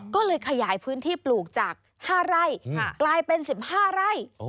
ก็เลยขยายพื้นที่ปลูกจาก๕ไร่กลายเป็น๑๕ไร่